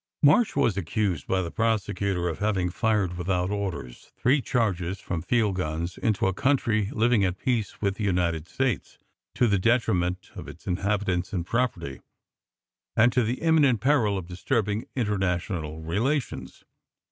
"March was accused by the prosecutor of having fired without orders three charges from field guns into a country living at peace with the United States, to the detriment of its inhabitants and property, and to the imminent peril of disturbing international relations.